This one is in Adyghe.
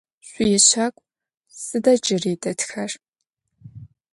Шъуищагу сыда джыри дэтхэр?